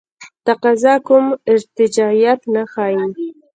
تقاضا کوم ارتجاعیت نه ښیي.